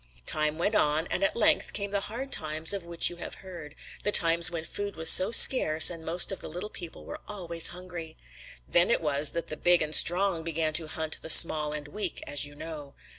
"Time went on, and at length came the hard times of which you have heard, the times when food was so scarce and most of the little people were always hungry. Then it was that the big and strong began to hunt the small and weak, as you know.